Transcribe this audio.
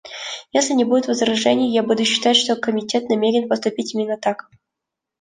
Если не будет возражений, я буду считать, что Комитет намерен поступить именно так.